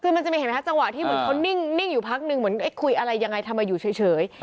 คือมันจะมีเห็นไหมคะจังหวะที่เหมือนเขานิ่งอยู่พักนึงเหมือนคุยอะไรยังไงทำไมอยู่เฉย